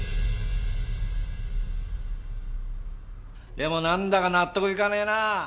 でもなんだか納得いかねえなあ。